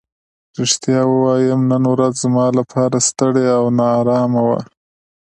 رښتیا ووایم نن ورځ زما لپاره ستړې او نا ارامه وه.